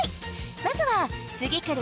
まずは「次くる！